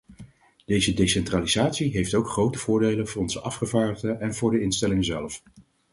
Deze decentralisatie heeft ook grote voordelen voor onze afgevaardigden en voor de instelling zelf.